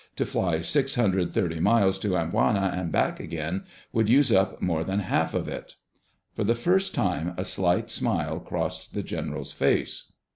To fly six hundred thirty miles to Amboina and back again would use up more than half of it." For the first time a slight smile crossed the general's face.